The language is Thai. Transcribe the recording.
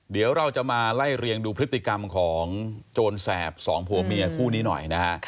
เดี๋ยวเราจะมาไล่เรียงดูพฤติกรรมของโจรแสบสองผัวเมียคู่นี้หน่อยนะฮะ